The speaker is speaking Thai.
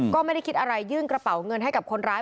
ก็ไม่ได้คิดอะไรยื่นกระเป๋าเงินให้กับคนร้าย